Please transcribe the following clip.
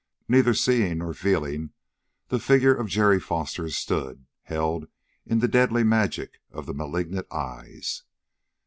Neither seeing nor feeling, the figure of Jerry Foster stood, held in the deadly magic of the malignant eyes.